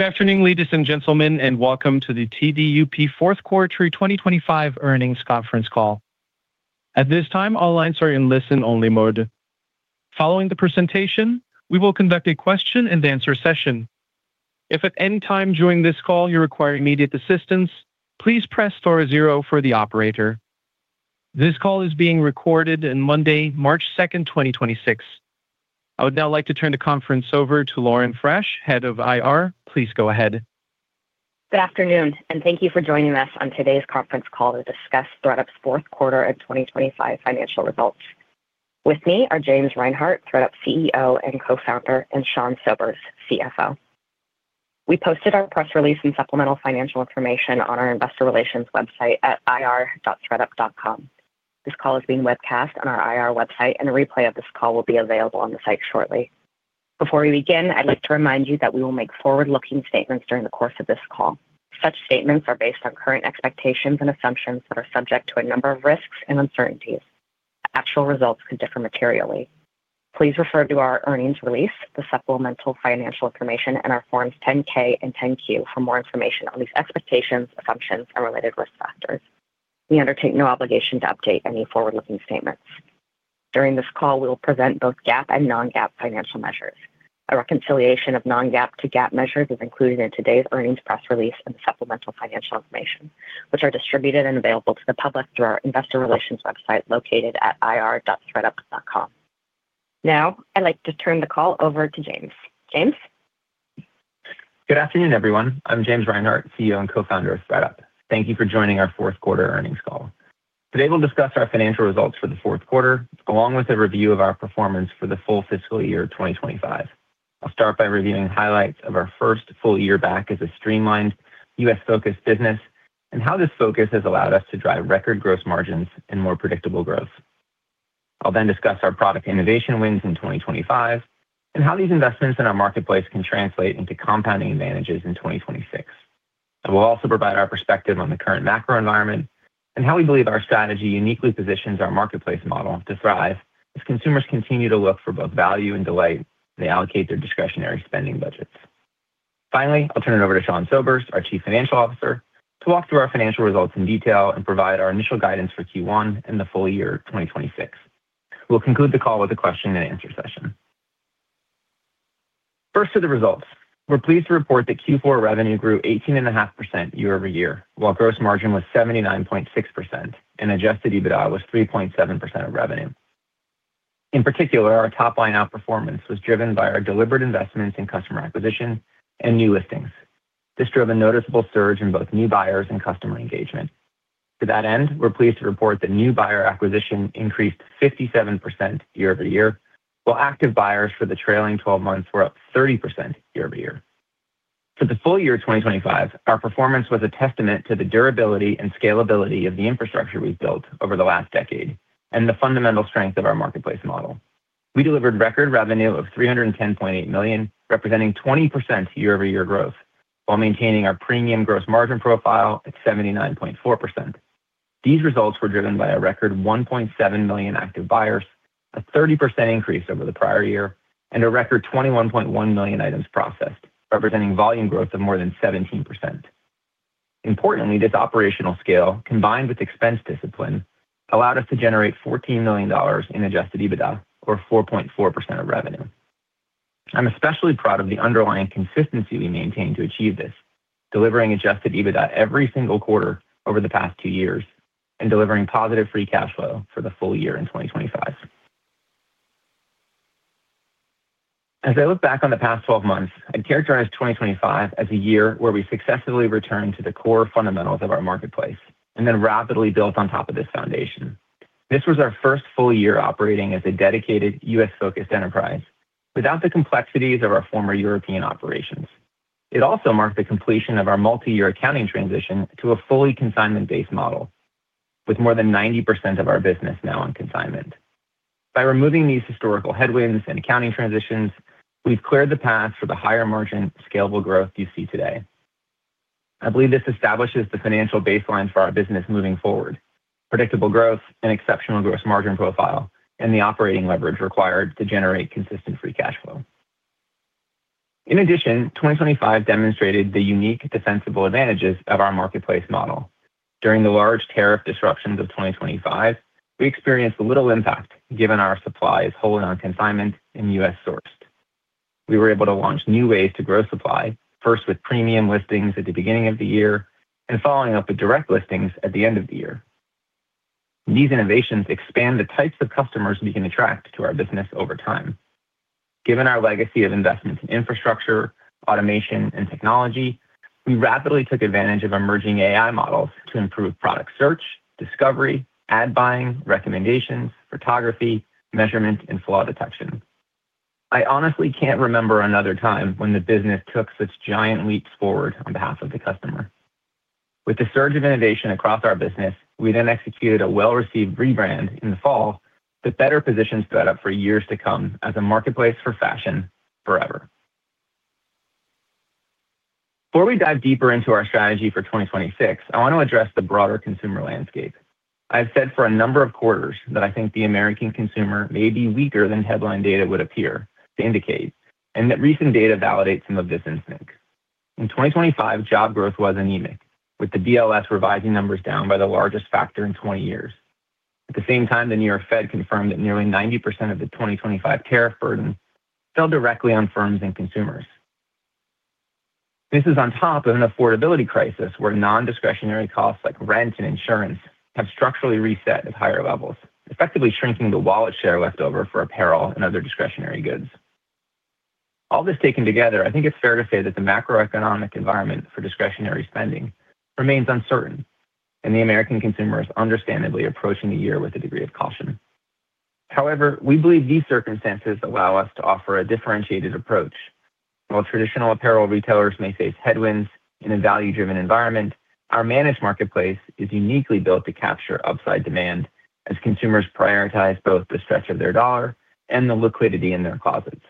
Good afternoon, ladies and gentlemen, and welcome to the TDUP 4th quarter 2025 earnings conference call. At this time, all lines are in listen-only mode. Following the presentation, we will conduct a question-and-answer session. If at any time during this call you require immediate assistance, please press star zero for the operator. This call is being recorded in Monday, March 2, 2026. I would now like to turn the conference over to Lauren Frasch, Head of IR. Please go ahead. Good afternoon, and thank you for joining us on today's conference call to discuss ThredUp's fourth quarter of 2025 financial results. With me are James Reinhart, ThredUp CEO and Co-founder, and Sean Sobers, CFO. We posted our press release and supplemental financial information on our investor relations website at ir.thredup.com. This call is being webcast on our IR website, and a replay of this call will be available on the site shortly. Before we begin, I'd like to remind you that we will make forward-looking statements during the course of this call. Such statements are based on current expectations and assumptions that are subject to a number of risks and uncertainties. Actual results could differ materially. Please refer to our earnings release, the supplemental financial information, and our Forms 10-K and 10-Q for more information on these expectations, assumptions, and related risk factors. We undertake no obligation to update any forward-looking statements. During this call, we will present both GAAP and non-GAAP financial measures. A reconciliation of non-GAAP to GAAP measures is included in today's earnings press release and supplemental financial information, which are distributed and available to the public through our investor relations website located at ir.thredup.com. Now I'd like to turn the call over to James. James? Good afternoon, everyone. I'm James Reinhart, CEO and co-founder of ThredUp. Thank you for joining our fourth quarter earnings call. Today, we'll discuss our financial results for the fourth quarter, along with a review of our performance for the full fiscal year 2025. I'll start by reviewing highlights of our first full-year back as a streamlined U.S.-focused business and how this focus has allowed us to drive record gross margins and more predictable growth. I'll discuss our product innovation wins in 2025 and how these investments in our marketplace can translate into compounding advantages in 2026. I will also provide our perspective on the current macro environment and how we believe our strategy uniquely positions our marketplace model to thrive as consumers continue to look for both value and delight, they allocate their discretionary spending budgets. Finally, I'll turn it over to Sean Sobers, our Chief Financial Officer, to walk through our financial results in detail and provide our initial guidance for Q1 and the full-year 2026. We'll conclude the call with a question-and-answer session. First to the results. We're pleased to report that Q4 revenue grew 18.5% year-over-year, while gross margin was 79.6% and adjusted EBITDA was 3.7% of revenue. In particular, our top-line outperformance was driven by our deliberate investments in customer acquisition and new listings. This drove a noticeable surge in both new buyers and customer engagement. To that end, we're pleased to report that new buyer acquisition increased 57% year-over-year, while active buyers for the trailing 12 months were up 30% year-over-year. For the full-year 2025, our performance was a testament to the durability and scalability of the infrastructure we've built over the last decade and the fundamental strength of our marketplace model. We delivered record revenue of $310.8 million, representing 20% year-over-year growth while maintaining our premium gross margin profile at 79.4%. These results were driven by a record 1.7 million active buyers, a 30% increase over the prior year, and a record 21.1 million items processed, representing volume growth of more than 17%. Importantly, this operational scale, combined with expense discipline, allowed us to generate $14 million in adjusted EBITDA or 4.4% of revenue. I'm especially proud of the underlying consistency we maintained to achieve this, delivering adjusted EBITDA every single quarter over the past two years and delivering positive free cash flow for the full-year in 2025. As I look back on the past 12 months, I'd characterize 2025 as a year where we successfully returned to the core fundamentals of our marketplace and then rapidly built on top of this foundation. This was our first full-year operating as a dedicated U.S.-focused enterprise without the complexities of our former European operations. It also marked the completion of our multi-year accounting transition to a fully consignment-based model, with more than 90% of our business now on consignment. By removing these historical headwinds and accounting transitions, we've cleared the path for the higher margin scalable growth you see today. I believe this establishes the financial baseline for our business moving forward, predictable growth and exceptional gross margin profile, and the operating leverage required to generate consistent free cash flow. In addition, 2025 demonstrated the unique defensible advantages of our marketplace model. During the large tariff disruptions of 2025, we experienced little impact given our supply is wholly on consignment and U.S.-sourced. We were able to launch new ways to grow supply, first with premium listings at the beginning of the year and following up with Direct Listings at the end of the year. These innovations expand the types of customers we can attract to our business over time. Given our legacy of investments in infrastructure, automation, and technology, we rapidly took advantage of emerging AI models to improve product search, discovery, ad buying, recommendations, photography, measurement, and flaw detection. I honestly can't remember another time when the business took such giant leaps forward on behalf of the customer. With the surge of innovation across our business, we then executed a well-received rebrand in the fall that better positions ThredUp for years to come as a marketplace for fashion forever. Before we dive deeper into our strategy for 2026, I want to address the broader consumer landscape. I've said for a number of quarters that I think the American consumer may be weaker than headline data would appear to indicate, and that recent data validates some of this instinct. In 2025, job growth was anemic, with the BLS revising numbers down by the largest factor in 20 years. At the same time, the New York Fed confirmed that nearly 90% of the 2025 tariff burden fell directly on firms and consumers. This is on top of an affordability crisis where non-discretionary costs like rent and insurance have structurally reset at higher levels, effectively shrinking the wallet share left over for apparel and other discretionary goods. All this taken together, I think it's fair to say that the macroeconomic environment for discretionary spending remains uncertain, and the American consumer is understandably approaching the year with a degree of caution. However, we believe these circumstances allow us to offer a differentiated approach. While traditional apparel retailers may face headwinds in a value-driven environment, our managed marketplace is uniquely built to capture upside demand as consumers prioritize both the stretch of their dollar and the liquidity in their closets.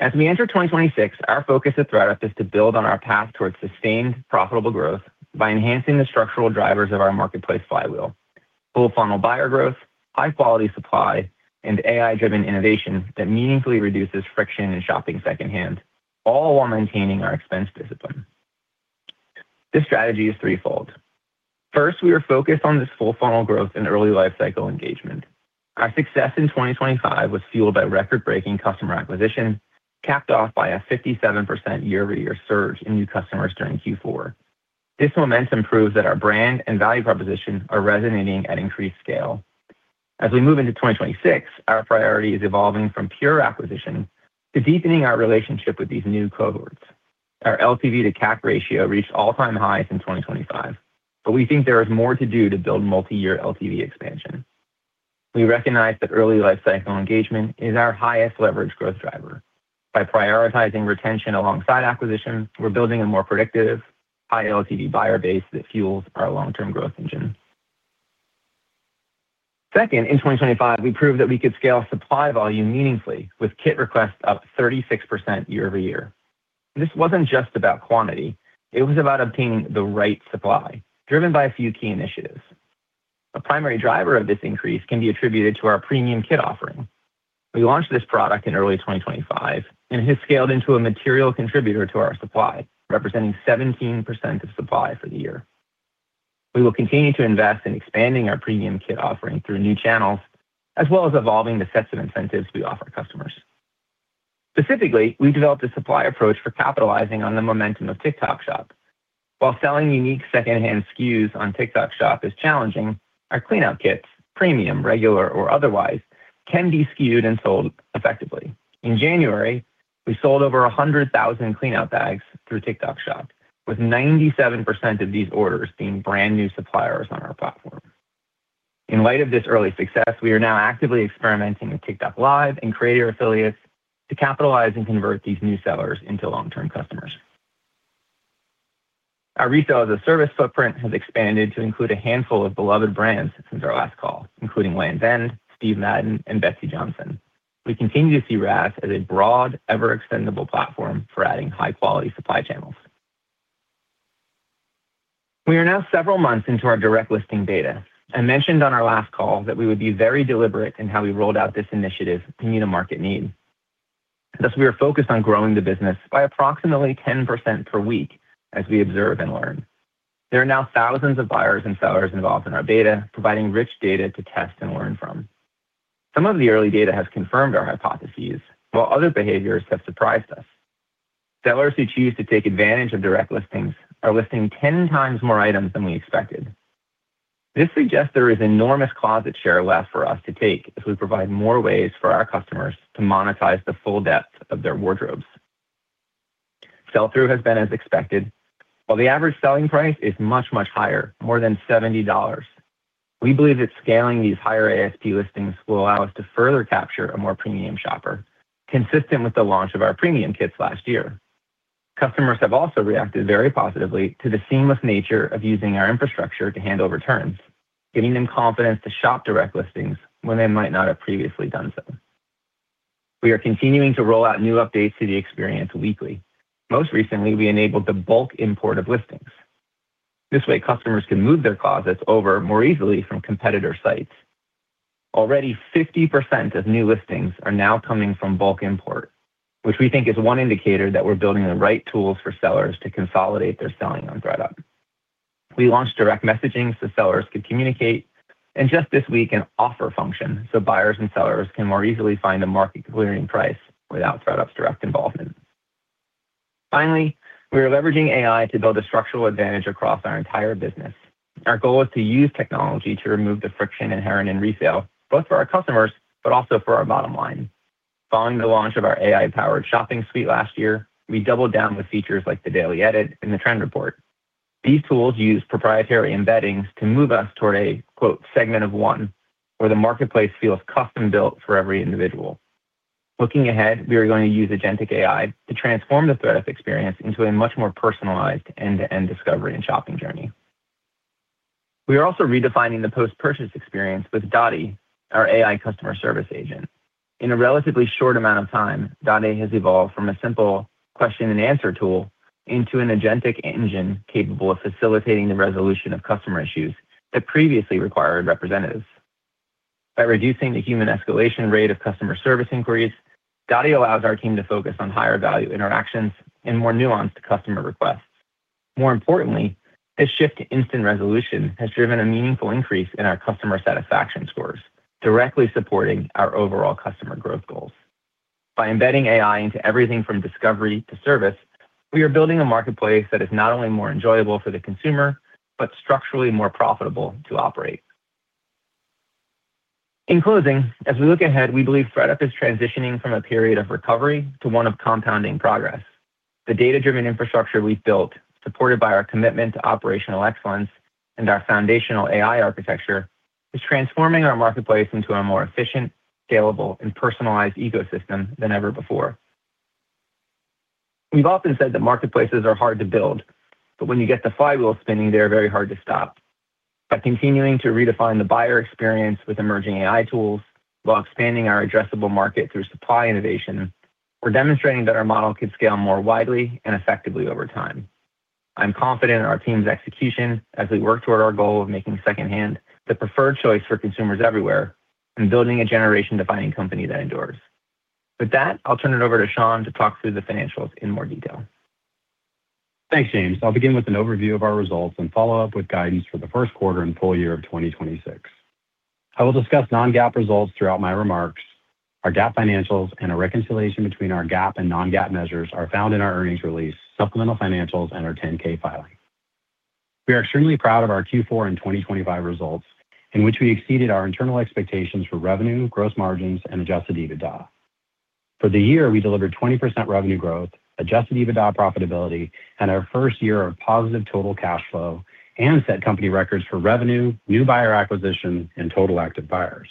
As we enter 2026, our focus at ThredUp is to build on our path towards sustained, profitable growth by enhancing the structural drivers of our marketplace flywheel. Full funnel buyer growth, high-quality supply, and AI-driven innovation that meaningfully reduces friction in shopping second-hand, all while maintaining our expense discipline. This strategy is threefold. First, we are focused on this full funnel growth and early lifecycle engagement. Our success in 2025 was fueled by record-breaking customer acquisition, capped off by a 57% year-over-year surge in new customers during Q4. This momentum proves that our brand and value proposition are resonating at increased scale. As we move into 2026, our priority is evolving from pure acquisition to deepening our relationship with these new cohorts. Our LTV to CAC ratio reached all-time highs in 2025, but we think there is more to do to build multi-year LTV expansion. We recognize that early lifecycle engagement is our highest leverage growth driver. By prioritizing retention alongside acquisition, we're building a more predictive, high LTV buyer base that fuels our long-term growth engine. Second, in 2025, we proved that we could scale supply volume meaningfully with kit requests up 36% year-over-year. This wasn't just about quantity, it was about obtaining the right supply, driven by a few key initiatives. A primary driver of this increase can be attributed to our Premium Kit offering. We launched this product in early 2025 and it has scaled into a material contributor to our supply, representing 17% of supply for the year. We will continue to invest in expanding our Premium Kit offering through new channels, as well as evolving the sets of incentives we offer customers. Specifically, we developed a supply approach for capitalizing on the momentum of TikTok Shop. While selling unique second-hand SKUs on TikTok Shop is challenging, our Clean Out Kits, premium, regular, or otherwise, can be skewed and sold effectively. In January, we sold over 100,000 cleanout bags through TikTok Shop, with 97% of these orders being brand new suppliers on our platform. In light of this early success, we are now actively experimenting with TikTok LIVE and creator affiliates to capitalize and convert these new sellers into long-term customers. Our Resale-as-a-Service footprint has expanded to include a handful of beloved brands since our last call, including LANVIN, Steve Madden, and Betsey Johnson. We continue to see RaaS as a broad, ever-extendable platform for adding high-quality supply channels. We are now several months into our Direct Listings data. I mentioned on our last call that we would be very deliberate in how we rolled out this initiative to meet a market need. We are focused on growing the business by approximately 10% per week as we observe and learn. There are now thousands of buyers and sellers involved in our beta, providing rich data to test and learn from. Some of the early data has confirmed our hypotheses, while other behaviors have surprised us. Sellers who choose to take advantage of Direct Listings are listing 10x more items than we expected. This suggests there is enormous closet share left for us to take as we provide more ways for our customers to monetize the full depth of their wardrobes. Sell-through has been as expected, while the average selling price is much, much higher, more than $70. We believe that scaling these higher ASP listings will allow us to further capture a more premium shopper, consistent with the launch of our Premium Kits last year. Customers have also reacted very positively to the seamless nature of using our infrastructure to handle returns, giving them confidence to shop Direct Listings when they might not have previously done so. We are continuing to roll out new updates to the experience weekly. Most recently, we enabled the bulk import of listings. This way, customers can move their closets over more easily from competitor sites. Already, 50% of new listings are now coming from bulk import, which we think is one indicator that we're building the right tools for sellers to consolidate their selling on ThredUp. We launched Direct Messaging so sellers could communicate, and just this week, an offer function so buyers and sellers can more easily find a market clearing price without ThredUp's direct involvement. Finally, we are leveraging AI to build a structural advantage across our entire business. Our goal is to use technology to remove the friction inherent in resale, both for our customers, but also for our bottom line. Following the launch of our AI-powered shopping suite last year, we doubled down with features like The Daily Edit and The Trend Report. These tools use proprietary embeddings to move us toward a, quote, "segment of one," where the marketplace feels custom-built for every individual. Looking ahead, we are going to use agentic AI to transform the ThredUp experience into a much more personalized end-to-end discovery and shopping journey. We are also redefining the post-purchase experience with Dottie, our AI customer service agent. In a relatively short amount of time, Dottie has evolved from a simple question and answer tool into an agentic engine capable of facilitating the resolution of customer issues that previously required representatives. By reducing the human escalation rate of customer service inquiries, Dottie allows our team to focus on higher value interactions and more nuanced customer requests. More importantly, this shift to instant resolution has driven a meaningful increase in our customer satisfaction scores, directly supporting our overall customer growth goals. By embedding AI into everything from discovery to service, we are building a marketplace that is not only more enjoyable for the consumer, but structurally more profitable to operate. In closing, as we look ahead, we believe ThredUp is transitioning from a period of recovery to one of compounding progress. The data-driven infrastructure we've built, supported by our commitment to operational excellence and our foundational AI architecture, is transforming our marketplace into a more efficient, scalable and personalized ecosystem than ever before. We've often said that marketplaces are hard to build, but when you get the flywheel spinning, they are very hard to stop. By continuing to redefine the buyer experience with emerging AI tools while expanding our addressable market through supply innovation, we're demonstrating that our model can scale more widely and effectively over time. I'm confident in our team's execution as we work toward our goal of making second-hand the preferred choice for consumers everywhere and building a generation-defining company that endures. With that, I'll turn it over to Sean to talk through the financials in more detail. Thanks, James. I'll begin with an overview of our results and follow up with guidance for the first quarter and full-year of 2026. I will discuss non-GAAP results throughout my remarks. Our GAAP financials and a reconciliation between our GAAP and non-GAAP measures are found in our earnings release, supplemental financials and our 10-K filing. We are extremely proud of our Q4 and 2025 results in which we exceeded our internal expectations for revenue, gross margins and adjusted EBITDA. For the year, we delivered 20% revenue growth, adjusted EBITDA profitability and our first year of positive total cash flow and set company records for revenue, new buyer acquisition and total active buyers.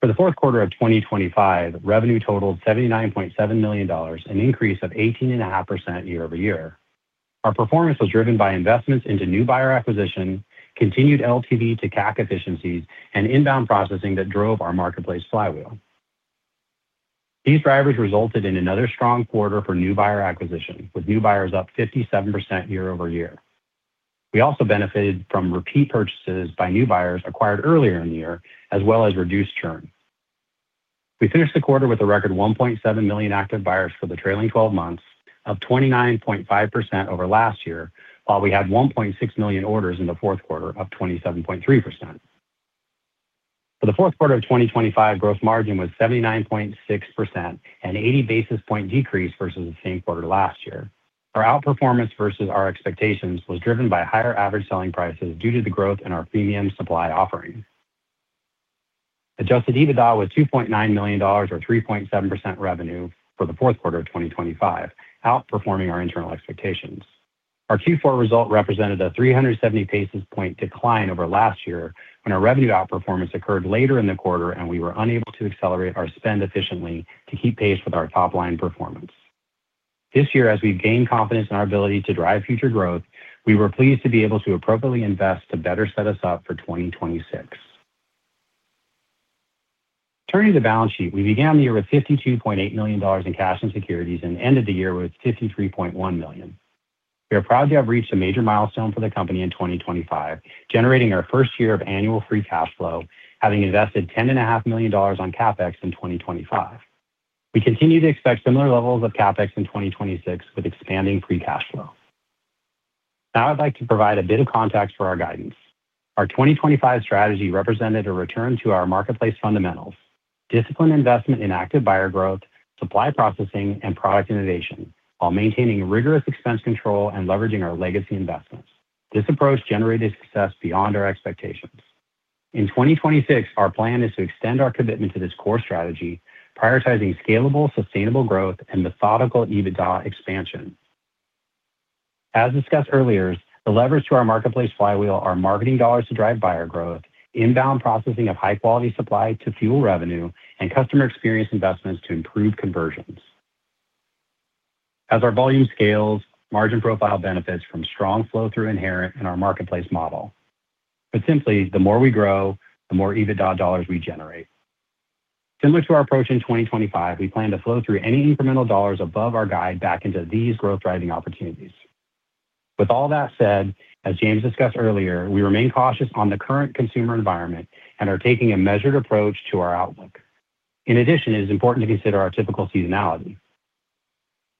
For the fourth quarter of 2025, revenue totaled $79.7 million, an increase of 18.5% year-over-year. Our performance was driven by investments into new buyer acquisition, continued LTV to CAC efficiencies and inbound processing that drove our marketplace flywheel. These drivers resulted in another strong quarter for new buyer acquisition, with new buyers up 57% year-over-year. We also benefited from repeat purchases by new buyers acquired earlier in the year, as well as reduced churn. We finished the quarter with a record 1.7 million active buyers for the trailing 12 months, up 29.5% over last year, while we had 1.6 million orders in the fourth quarter, up 27.3%. For the fourth quarter of 2025, gross margin was 79.6% and 80 basis point decrease versus the same quarter last year. Our outperformance versus our expectations was driven by higher average selling prices due to the growth in our premium supply offerings. Adjusted EBITDA was $2.9 million or 3.7% revenue for the fourth quarter of 2025, outperforming our internal expectations. Our Q4 result represented a 370 basis point decline over last year when our revenue outperformance occurred later in the quarter and we were unable to accelerate our spend efficiently to keep pace with our top line performance. This year, as we've gained confidence in our ability to drive future growth, we were pleased to be able to appropriately invest to better set us up for 2026. Turning to the balance sheet, we began the year with $52.8 million in cash and securities and ended the year with $53.1 million. We are proud to have reached a major milestone for the company in 2025, generating our first year of annual free cash flow, having invested $10.5 million on CapEx in 2025. We continue to expect similar levels of CapEx in 2026 with expanding free cash flow. I'd like to provide a bit of context for our guidance. Our 2025 strategy represented a return to our marketplace fundamentals, disciplined investment in active buyer growth, supply processing and product innovation while maintaining rigorous expense control and leveraging our legacy investments. This approach generated success beyond our expectations. Our plan is to extend our commitment to this core strategy, prioritizing scalable, sustainable growth and methodical EBITDA expansion. As discussed earlier, the levers to our marketplace flywheel are marketing dollars to drive buyer growth, inbound processing of high quality supply to fuel revenue, and customer experience investments to improve conversions. As our volume scales, margin profile benefits from strong flow-through inherent in our marketplace model. Put simply, the more we grow, the more EBITDA dollars we generate. Similar to our approach in 2025, we plan to flow through any incremental dollars above our guide back into these growth-driving opportunities. With all that said, as James discussed earlier, we remain cautious on the current consumer environment and are taking a measured approach to our outlook. In addition, it is important to consider our typical seasonality.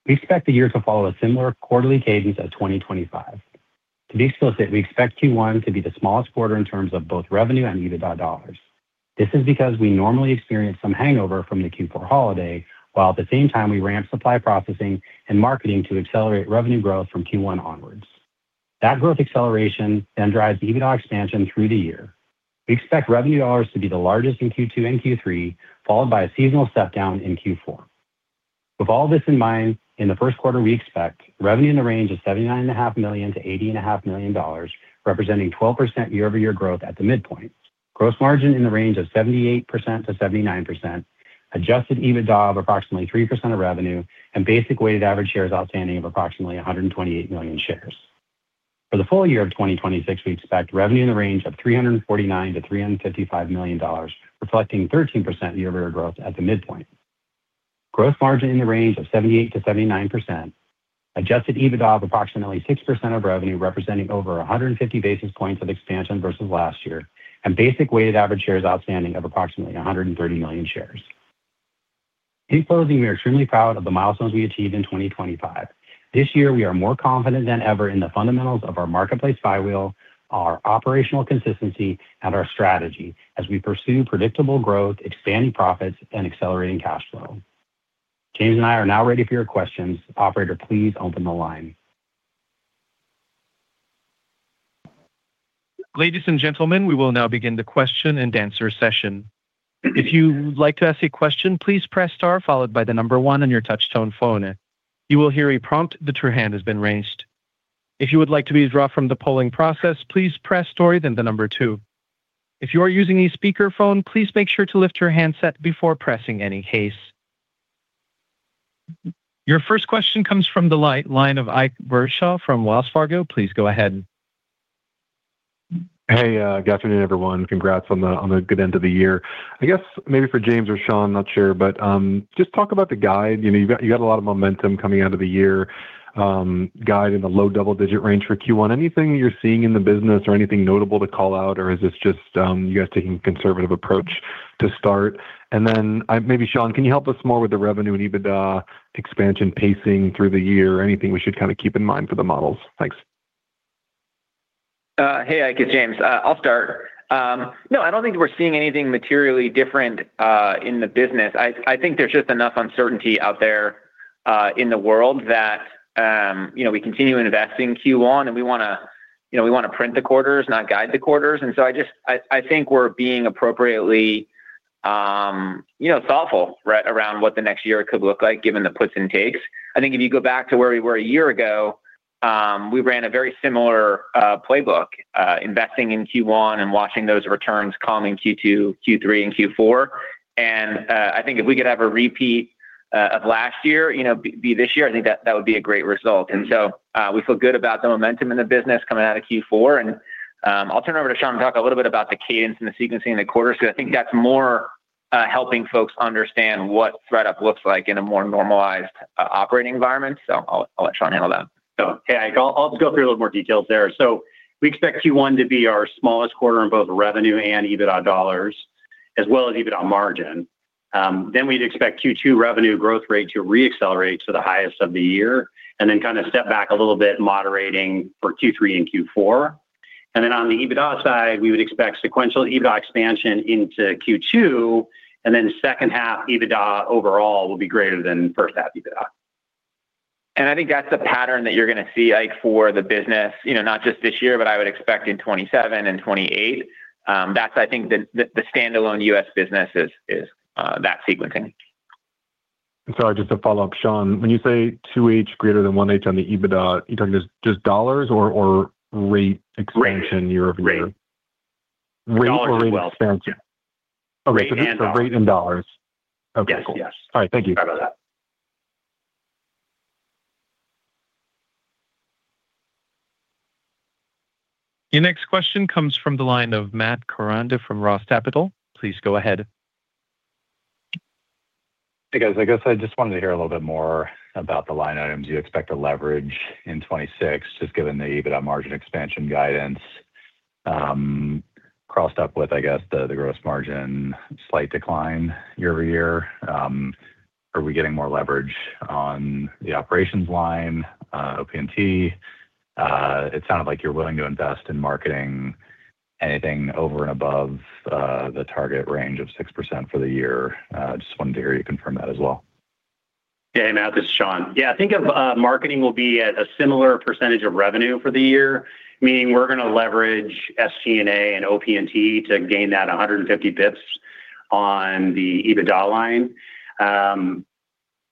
We expect the year to follow a similar quarterly cadence of 2025. To be explicit, we expect Q1 to be the smallest quarter in terms of both revenue and EBITDA dollars. This is because we normally experience some hangover from the Q4 holiday, while at the same time we ramp supply processing and marketing to accelerate revenue growth from Q1 onwards. That growth acceleration drives the EBITDA expansion through the year. We expect revenue dollars to be the largest in Q2 and Q3, followed by a seasonal step down in Q4. With all this in mind, in the first quarter, we expect revenue in the range of $79.5 million-$80.5 million, representing 12% year-over-year growth at the midpoint. Gross margin in the range of 78%-79%. Adjusted EBITDA of approximately 3% of revenue and basic weighted average shares outstanding of approximately 128 million shares. For the full-year of 2026, we expect revenue in the range of $349 million-$355 million, reflecting 13% year-over-year growth at the midpoint. Gross margin in the range of 78%-79%. Adjusted EBITDA of approximately 6% of revenue, representing over 150 basis points of expansion versus last year. Basic weighted average shares outstanding of approximately 130 million shares. In closing, we are extremely proud of the milestones we achieved in 2025. This year we are more confident than ever in the fundamentals of our marketplace flywheel, our operational consistency, and our strategy as we pursue predictable growth, expanding profits and accelerating cash flow. James and I are now ready for your questions. Operator, please open the line. Ladies and gentlemen, we will now begin the question-and-answer session. If you would like to ask a question, please press star followed by 1 on your touch-tone phone. You will hear a prompt that your hand has been raised. If you would like to be dropped from the polling process, please press star then number two. If you are using a speakerphone, please make sure to lift your handset before pressing any keys. Your first question comes from the line of Ike Boruchow from Wells Fargo. Please go ahead. Hey, good afternoon, everyone. Congrats on a good end of the year. I guess maybe for James or Sean, I'm not sure. Just talk about the guide. You know, you got a lot of momentum coming out of the year, guide in the low double-digit range for Q1. Anything you're seeing in the business or anything notable to call out, is this just you guys taking a conservative approach to start? Maybe Sean, can you help us more with the revenue and EBITDA expansion pacing through the year? Anything we should kind of keep in mind for the models? Thanks. Hey, Ike, it's James. I'll start. No, I don't think we're seeing anything materially different in the business. I think there's just enough uncertainty out there in the world that, you know, we continue investing in Q1, and we wanna, you know, we wanna print the quarters, not guide the quarters. I think we're being appropriately, you know, thoughtful, right, around what the next year could look like given the puts and takes. I think if you go back to where we were a year ago, we ran a very similar playbook, investing in Q1 and watching those returns come in Q2, Q3, and Q4. I think if we could have a repeat of last year, you know, be this year, I think that would be a great result. We feel good about the momentum in the business coming out of Q4. I'll turn over to Sean to talk a little bit about the cadence and the sequencing in the quarter, because I think that's more, helping folks understand what ThredUp looks like in a more normalized operating environment. I'll let Sean handle that. Hey, Ike. I'll just go through a little more details there. We expect Q1 to be our smallest quarter in both revenue and EBITDA dollars as well as EBITDA margin. We'd expect Q2 revenue growth rate to re-accelerate to the highest of the year, and then kind of step back a little bit moderating for Q3 and Q4. On the EBITDA side, we would expect sequential EBITDA expansion into Q2, and then second half EBITDA overall will be greater than first half EBITDA. I think that's the pattern that you're going to see, Ike, for the business, you know, not just this year, but I would expect in 2027 and 2028. That's I think the standalone U.S. business is that sequencing. Sorry, just to follow up, Sean, when you say 2H greater than 1H on the EBITDA, are you talking just dollars or rate expansion year-over-year? Rate. Rate or rate expansion? Dollars as well. Yeah. Rate and dollars. Okay. Rate and dollars. Yes. Yes. Okay, cool. All right. Thank you. Sorry about that. Your next question comes from the line of Matt Koranda from ROTH Capital Partners. Please go ahead. Hey, guys. I guess I just wanted to hear a little bit more about the line items you expect to leverage in 2026, just given the EBITDA margin expansion guidance, crossed up with, I guess, the gross margin slight decline year-over-year. Are we getting more leverage on the operations line, OP&T? It sounded like you're willing to invest in marketing anything over and above the target range of 6% for the year. Just wanted to hear you confirm that as well. Matt, this is Sean. I think of marketing will be at a similar percentage of revenue for the year, meaning we're gonna leverage SG&A and OP&T to gain that 150 basis points on the EBITDA line.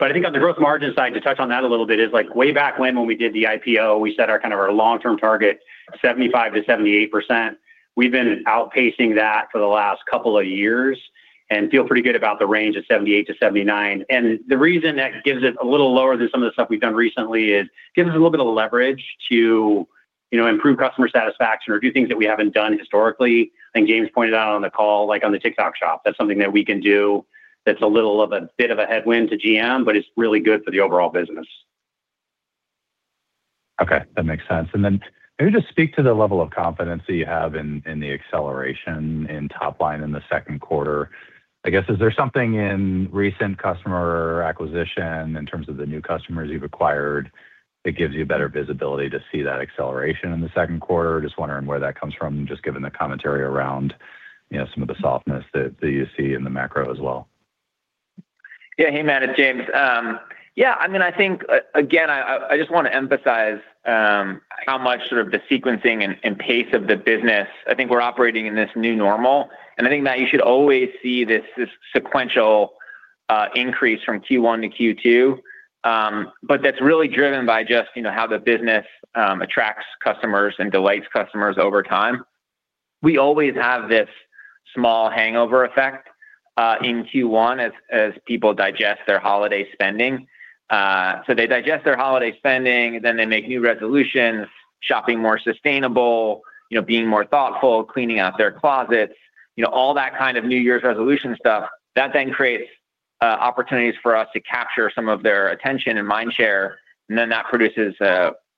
I think on the gross margin side, to touch on that a little bit, is like way back when we did the IPO, we set our kind of our long-term target 75%-78%. We've been outpacing that for the last couple of years and feel pretty good about the range of 78%-79%. The reason that gives it a little lower than some of the stuff we've done recently is it gives us a little bit of leverage to, you know, improve customer satisfaction or do things that we haven't done historically. I think James pointed out on the call, like on the TikTok Shop, that's something that we can do that's a little of a bit of a headwind to GM, but it's really good for the overall business. Okay. That makes sense. Then maybe just speak to the level of confidence that you have in the acceleration in top line in the second quarter? I guess, is there something in recent customer acquisition in terms of the new customers you've acquired that gives you better visibility to see that acceleration in the second quarter? Just wondering where that comes from, just given the commentary around, you know, some of the softness that you see in the macro as well? Hey, Matt, it's James. I mean, I think again, I just want to emphasize how much sort of the sequencing and pace of the business. I think we're operating in this new normal. I think that you should always see this sequential increase from Q1 to Q2. That's really driven by just, you know, how the business attracts customers and delights customers over time. We always have this small hangover effect in Q1 as people digest their holiday spending. They digest their holiday spending, then they make new resolutions, shopping more sustainable, you know, being more thoughtful, cleaning out their closets, you know, all that kind of New Year's Resolution stuff. That creates opportunities for us to capture some of their attention and mind share, that produces,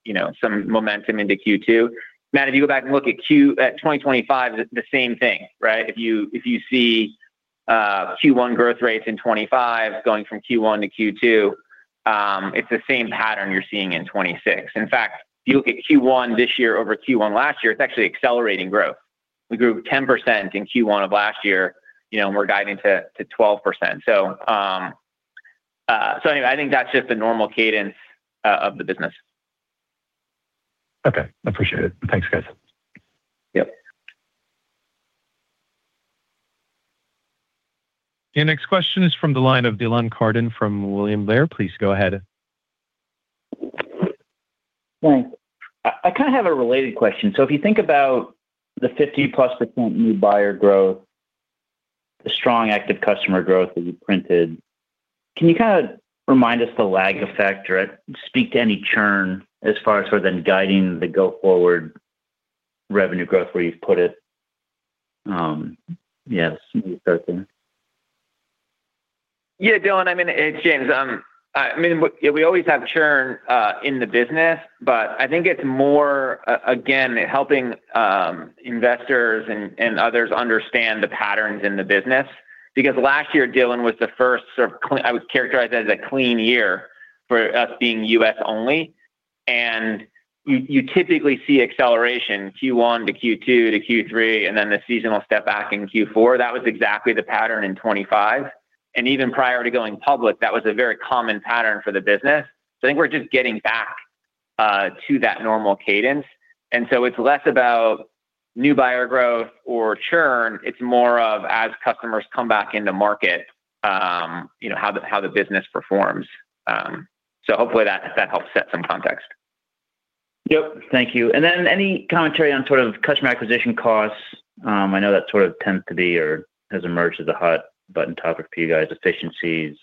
you know, some momentum into Q2. Matt, if you go back and look at 2025, the same thing, right? If you see Q1 growth rates in 2025 going from Q1 to Q2, it's the same pattern you're seeing in 2026. If you look at Q1 this year over Q1 last year, it's actually accelerating growth. We grew 10% in Q1 of last year, you know, and we're guiding to 12%. Anyway, I think that's just the normal cadence of the business. Okay, appreciate it. Thanks, guys. Yep. Your next question is from the line of Dylan Carden from William Blair. Please go ahead. Thanks. I kind of have a related question. If you think about the 50%+ new buyer growth, the strong active customer growth that you printed, can you kind of remind us the lag effect or speak to any churn as far as sort of then guiding the go-forward revenue growth where you've put it? Yes. Yeah, Dylan, I mean, it's James. I mean, we, yeah, we always have churn in the business, but I think it's more again, helping investors and others understand the patterns in the business. Last year, Dylan, was the first sort of clean I would characterize it as a clean year for us being U.S. only. You typically see acceleration Q1 to Q2 to Q3, and then the seasonal step back in Q4. That was exactly the pattern in 2025. Even prior to going public, that was a very common pattern for the business. I think we're just getting back to that normal cadence. It's less about new buyer growth or churn. It's more of as customers come back into market, you know, how the, how the business performs. Hopefully that helps set some context. Yep. Thank you. Any commentary on sort of customer acquisition costs? I know that sort of tends to be or has emerged as a hot button topic for you guys, efficiencies,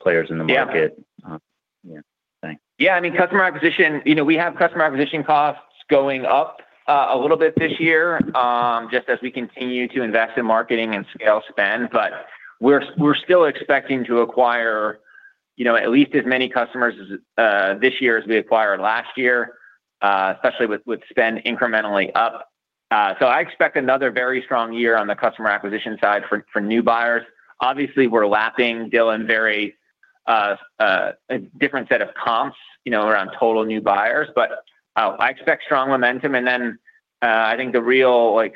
players in the market. Yeah. Yeah. Thanks. Yeah, I mean, customer acquisition, you know, we have customer acquisition costs going up a little bit this year, just as we continue to invest in marketing and scale spend. We're still expecting to acquire, you know, at least as many customers as this year as we acquired last year, especially with spend incrementally up. I expect another very strong year on the customer acquisition side for new buyers. Obviously, we're lapping, Dylan, very a different set of comps, you know, around total new buyers. I expect strong momentum. I think the real like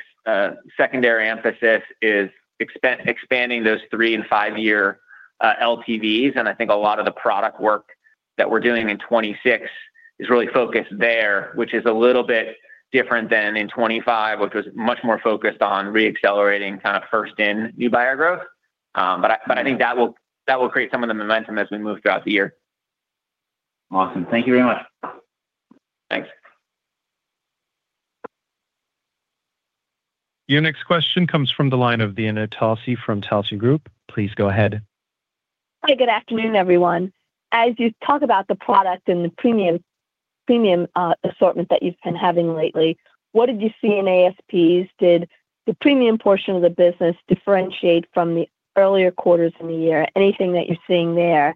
secondary emphasis is expanding those three and five-year LTVs. I think a lot of the product work that we're doing in 2026 is really focused there, which is a little bit different than in 2025, which was much more focused on re-accelerating kind of first-in new buyer growth. I think that will, that will create some of the momentum as we move throughout the year. Awesome. Thank you very much. Thanks. Your next question comes from the line of Dana Telsey from Telsey Group. Please go ahead. Hey, good afternoon, everyone. As you talk about the product and the premium assortment that you've been having lately, what did you see in ASPs? Did the premium portion of the business differentiate from the earlier quarters in the year? Anything that you're seeing there?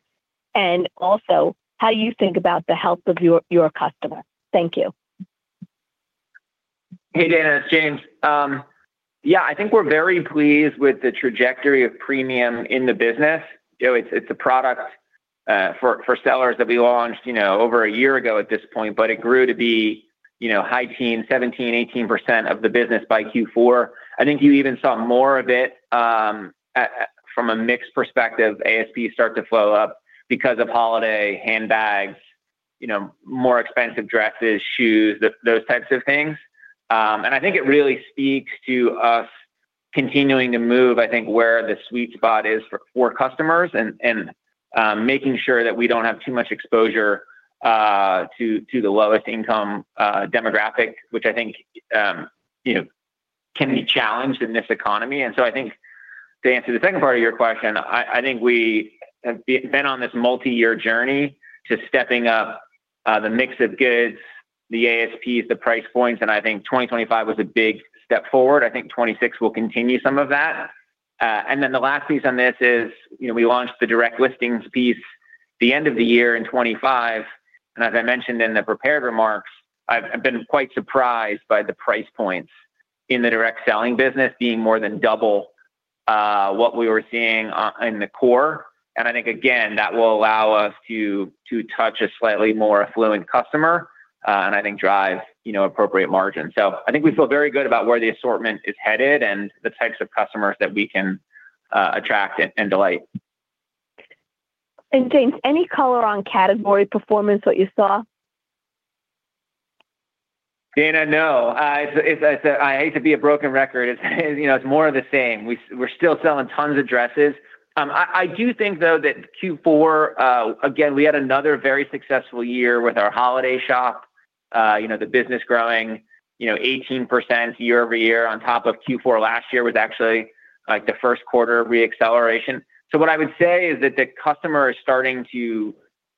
Also, how do you think about the health of your customer? Thank you. Hey, Dana, it's James. Yeah, I think we're very pleased with the trajectory of premium in the business. You know, it's a product for sellers that we launched, you know, over a year ago at this point, but it grew to be, you know, high teen, 17%, 18% of the business by Q4. I think you even saw more of it from a mix perspective, ASP start to flow up because of holiday handbags, you know, more expensive dresses, shoes, those types of things. I think it really speaks to us continuing to move, I think, where the sweet spot is for customers and making sure that we don't have too much exposure to the lowest income demographic, which I think, you know, can be challenged in this economy. I think to answer the second part of your question, I think we have been on this multi-year journey to stepping up the mix of goods, the ASPs, the price points, and I think 2025 was a big step forward. I think 2026 will continue some of that. The last piece on this is, you know, we launched the Direct Listings piece the end of the year in 2025. As I mentioned in the prepared remarks, I've been quite surprised by the price points in the direct selling business being more than double what we were seeing in the core. I think, again, that will allow us to touch a slightly more affluent customer and I think drive, you know, appropriate margin. I think we feel very good about where the assortment is headed and the types of customers that we can attract and delight. James, any color on category performance, what you saw? Dana, no. it's, I hate to be a broken record. It's, you know, it's more of the same. We're still selling tons of dresses. I do think though that Q4, again, we had another very successful year with our holiday shop. You know, the business growing, you know, 18% year-over-year on top of Q4 last year was actually like the first quarter re-acceleration. What I would say is that the customer is starting to,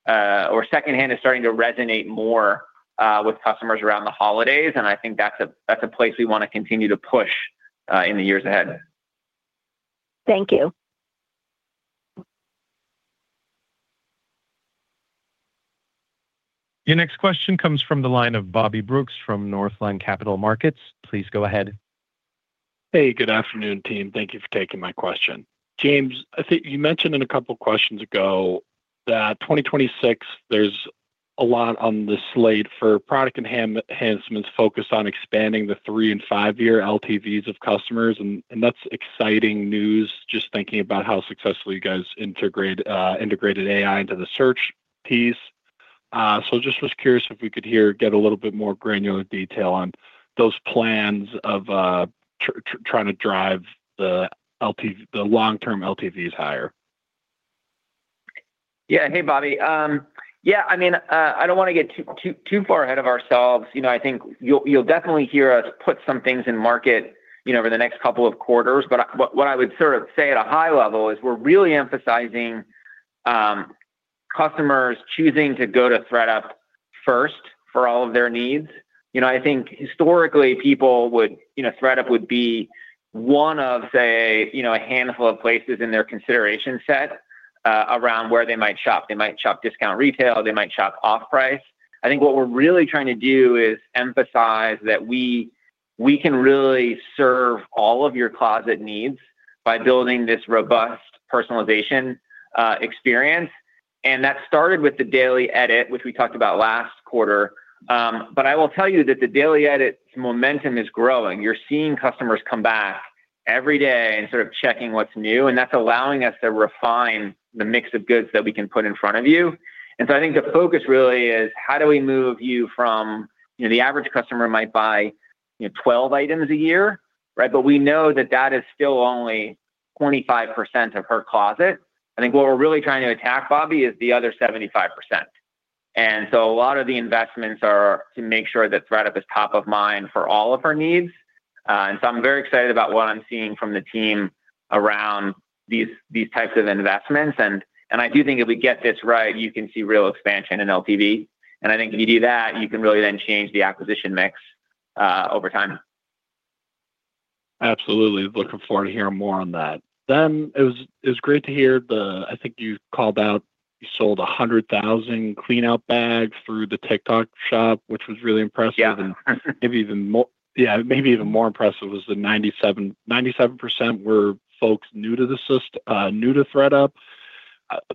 or secondhand is starting to resonate more, with customers around the holidays, and I think that's a, that's a place we wanna continue to push, in the years ahead. Thank you. Your next question comes from the line of Bobby Brooks from Northland Capital Markets. Please go ahead. Hey, good afternoon, team. Thank you for taking my question. James, I think you mentioned in a couple of questions ago that 2026, there's a lot on the slate for product enhancements focused on expanding the three and five-year LTVs of customers, and that's exciting news just thinking about how successfully you guys integrated AI into the search piece. Just was curious if we could hear, get a little bit more granular detail on those plans of trying to drive the LTV, the long-term LTVs higher. Yeah. Hey, Bobby. Yeah, I mean, I don't wanna get too far ahead of ourselves. You know, I think you'll definitely hear us put some things in market, you know, over the next couple of quarters. But what I would sort of say at a high level is we're really emphasizing customers choosing to go to ThredUp first for all of their needs. You know, I think historically people would, you know, ThredUp would be one of, say, you know, a handful of places in their consideration set around where they might shop. They might shop discount retail. They might shop off-price. I think what we're really trying to do is emphasize that we can really serve all of your closet needs by building this robust personalization experience, and that started with The Daily Edit, which we talked about last quarter. I will tell you that The Daily Edit momentum is growing. You're seeing customers come back every day and sort of checking what's new, and that's allowing us to refine the mix of goods that we can put in front of you. I think the focus really is how do we move you from, you know, the average customer might buy, you know, 12 items a year, right? We know that that is still only 25% of her closet. I think what we're really trying to attack, Bobby, is the other 75%. A lot of the investments are to make sure that ThredUp is top of mind for all of her needs. I'm very excited about what I'm seeing from the team around these types of investments. I do think if we get this right, you can see real expansion in LTV. I think if you do that, you can really then change the acquisition mix over time. Absolutely. Looking forward to hearing more on that. It was great to hear the... I think you called out you sold 100,000 clean out bags through the TikTok Shop, which was really impressive. Yeah. Maybe even more, yeah, maybe even more impressive was the 97% were folks new to ThredUp.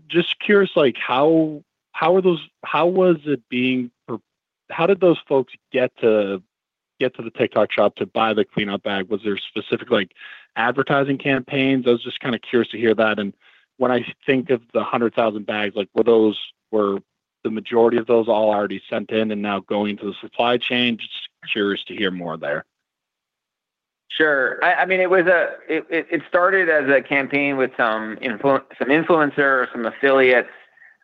Just curious, like, how did those folks get to the TikTok Shop to buy the Clean Out bag? Was there specific, like, advertising campaigns? I was just kinda curious to hear that. When I think of the 100,000 bags, like, were the majority of those all already sent in and now going to the supply chain? Just curious to hear more there. Sure. I mean, it started as a campaign with some influencers, some affiliates.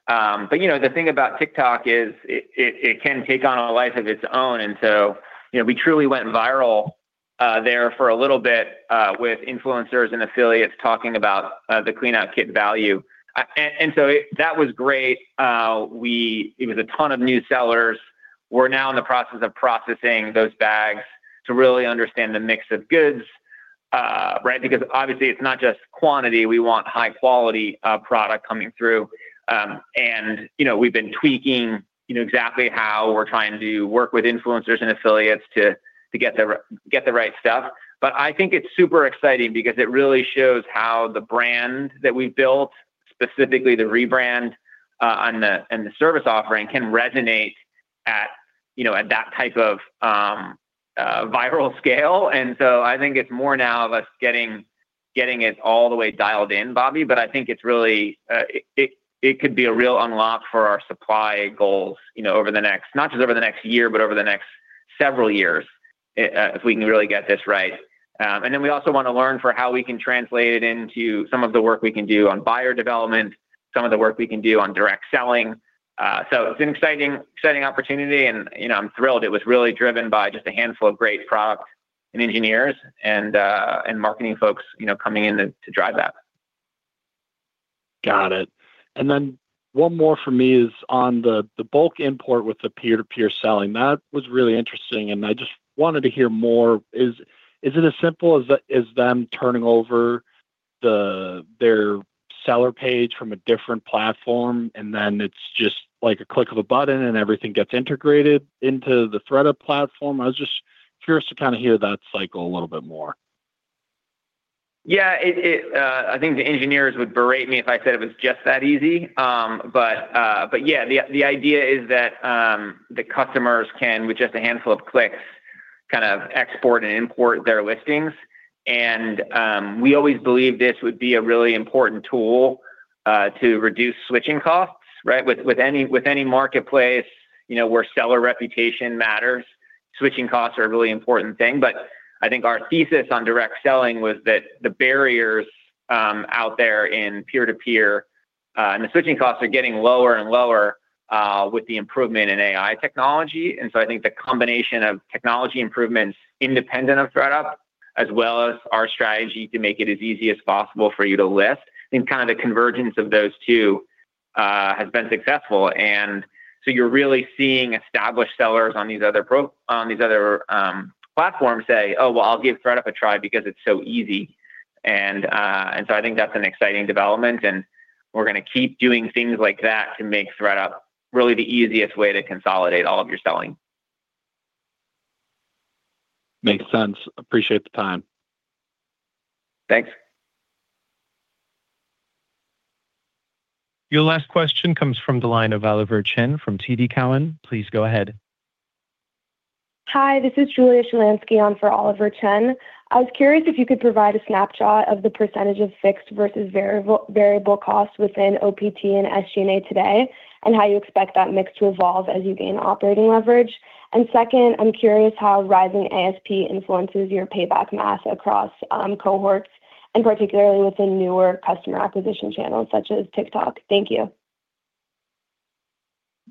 You know, the thing about TikTok is it can take on a life of its own. You know, we truly went viral there for a little bit with influencers and affiliates talking about the Clean Out Kit value. That was great. It was a ton of new sellers. We're now in the process of processing those bags to really understand the mix of goods, right? Because obviously it's not just quantity. We want high quality product coming through. You know, we've been tweaking, you know, exactly how we're trying to work with influencers and affiliates to get the right stuff. I think it's super exciting because it really shows how the brand that we've built, specifically the rebrand, and the service offering can resonate at, you know, at that type of viral scale. I think it's more now of us getting it all the way dialed in, Bobby. I think it's really, it could be a real unlock for our supply goals, you know, over the next... not just over the next year, but over the next several years, if we can really get this right. Then we also wanna learn for how we can translate it into some of the work we can do on buyer development, some of the work we can do on direct selling. It's an exciting opportunity and, you know, I'm thrilled. It was really driven by just a handful of great product and engineers and marketing folks, you know, coming in to drive that. Got it. One more for me is on the bulk import with the peer-to-peer selling. That was really interesting, and I just wanted to hear more. Is it as simple as them turning over their seller page from a different platform, and then it's just like a click of a button and everything gets integrated into the ThredUp platform? I was just curious to kinda hear that cycle a little bit more. Yeah. It, I think the engineers would berate me if I said it was just that easy. Yeah, the idea is that the customers can, with just a handful of clicks, kind of export and import their listings. We always believed this would be a really important tool to reduce switching costs, right? With any marketplace, you know, where seller reputation matters, switching costs are a really important thing. I think our thesis on direct selling was that the barriers out there in peer-to-peer. The switching costs are getting lower and lower with the improvement in AI technology. I think the combination of technology improvements independent of ThredUp as well as our strategy to make it as easy as possible for you to list in kind of the convergence of those two has been successful. You're really seeing established sellers on these other platforms say, "Oh, well, I'll give ThredUp a try because it's so easy." I think that's an exciting development, and we're gonna keep doing things like that to make ThredUp really the easiest way to consolidate all of your selling. Makes sense. Appreciate the time. Thanks. Your last question comes from the line of Oliver Chen from TD Cowen. Please go ahead. Hi, this is Julia Shelanski on for Oliver Chen. I was curious if you could provide a snapshot of the percentage of fixed versus variable costs within OP&T and SG&A today, and how you expect that mix to evolve as you gain operating leverage. Second, I'm curious how rising ASP influences your payback mass across cohorts and particularly within newer customer acquisition channels such as TikTok. Thank you.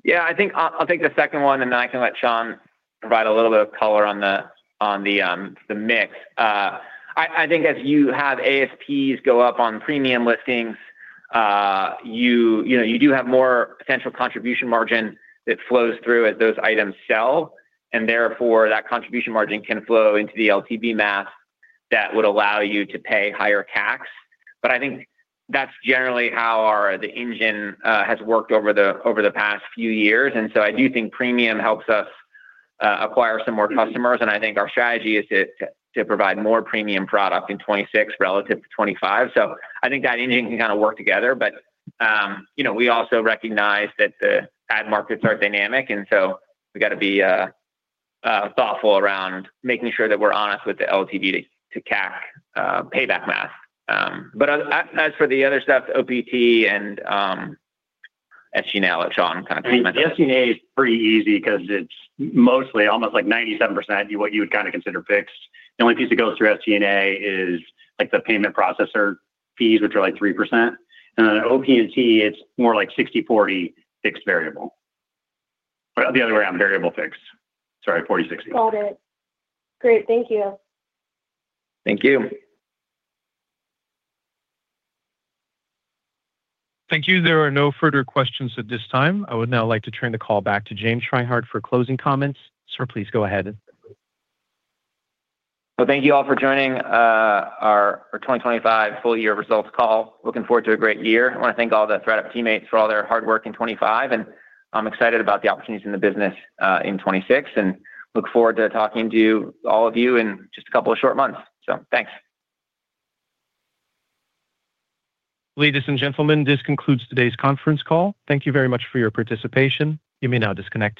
Yeah, I think I'll take the second one. Then I can let Sean provide a little bit of color on the mix. I think as you have ASPs go up on premium listings, you know, you do have more potential contribution margin that flows through as those items sell. Therefore that contribution margin can flow into the LTV that would allow you to pay higher CAC. I think that's generally how the engine has worked over the past few years. I do think premium helps us acquire some more customers. I think our strategy is to provide more premium product in 2026 relative to 2025. I think that anything can kind of work together. You know, we also recognize that the ad markets are dynamic, we gotta be thoughtful around making sure that we're honest with the LTV to CAC payback math. As for the other stuff, OP&T and SG&A, let Sean kinda take that. The SG&A is pretty easy 'cause it's mostly almost like 97% what you would kinda consider fixed. The only piece that goes through SG&A is like the payment processor fees, which are like 3%. Then OP&T, it's more like 60/40 fixed variable. The other way around, variable fixed. Sorry, 40/60. Called it. Great. Thank you. Thank you. Thank you. There are no further questions at this time. I would now like to turn the call back to James Reinhart for closing comments. Sir, please go ahead. Well, thank you all for joining, our 2025 full-year results call. Looking forward to a great year. I wanna thank all the ThredUp teammates for all their hard work in 2025. I'm excited about the opportunities in the business in 2026 and look forward to talking to you, all of you, in just a couple of short months. Thanks. Ladies and gentlemen, this concludes today's conference call. Thank you very much for your participation. You may now disconnect.